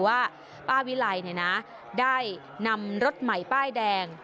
ป้าวิยาวิาเลยนี่นะได้นำรถใหม่ป้ายแดง